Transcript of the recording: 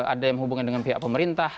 ada yang hubungan dengan pihak pemerintah